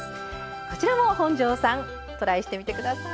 こちらも本上さんトライしてみて下さい。